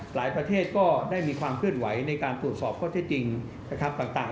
หลายประเทศก็ได้มีความเคลื่อนไหวในการตรวจสอบข้อเท่าจริง